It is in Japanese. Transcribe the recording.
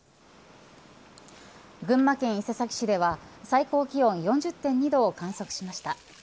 群馬県伊勢崎市では最高気温４０．２度を観測しました。